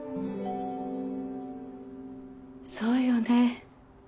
そうよね。